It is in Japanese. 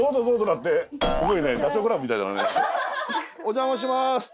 お邪魔します。